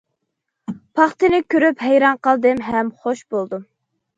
پاختىنى كۆرۈپ ھەيران قالدىم ھەم خۇش بولدۇم.